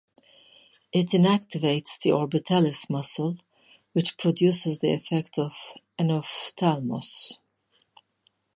It inactivates the orbitalis muscle which produces the effect of enophthalmos.